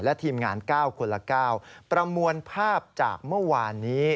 และทีมงาน๙คนละ๙ประมวลภาพจากเมื่อวานนี้